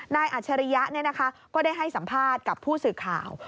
นายอัชริยะเนี่ยนะคะก็ได้ให้สัมภาษณ์กับผู้สื่อข่าว